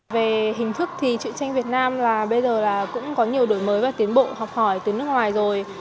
về hình thức thì chuyện tranh việt nam là bây giờ là cũng có nhiều đổi mới và tiến bộ học hỏi từ nước ngoài rồi